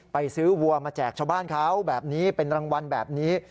ไปซื้อวัวมาแจกชาวบ้านเขาแบบนี้เป็นรางวัลแบบนี้